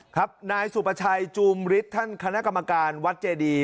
ครับนายสุประชัยจูมฤทธิ์ท่านคณะกรรมการวัดเจดี